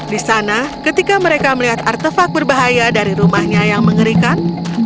di sana ketika mereka melihat artefak berbahaya dari rumahnya yang mengerikan